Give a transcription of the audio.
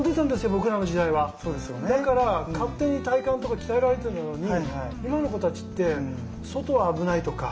だから勝手に体幹とか鍛えられてたのに今の子たちって外は危ないとか。